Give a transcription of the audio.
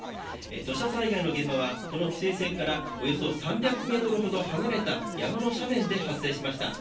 土砂災害の現場はこの規制線からおよそ３００ｍほど離れた山の斜面で発生しました。